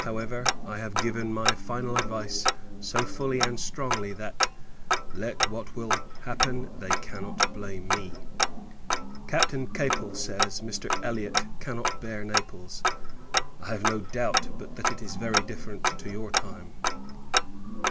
However, I have given my final advice so fully and strongly that, let what will happen, they cannot blame me. Captain Capel says, Mr. Elliot cannot bear Naples. I have no doubt, but that it is very different to your time.